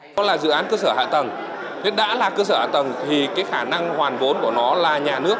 đó là dự án cơ sở hạ tầng huyết đã là cơ sở hạ tầng thì cái khả năng hoàn vốn của nó là nhà nước